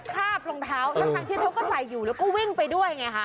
คาบรองเท้าทั้งที่เธอก็ใส่อยู่แล้วก็วิ่งไปด้วยไงคะ